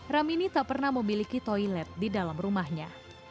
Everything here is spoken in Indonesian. ramini tak pernah memiliki toilet di dalam rumahnya